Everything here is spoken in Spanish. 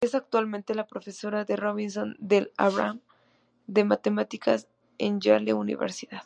Es actualmente la Profesora de Robinson del Abraham de Matemáticas en Yale Universidad.